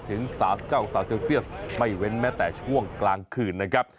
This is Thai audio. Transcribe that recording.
ถึง๓๙องศาเซลเซียสไม่เว้นแม้แต่ช่วงกลางคืนนะครับ